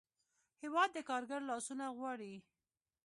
هېواد د کارګر لاسونه غواړي.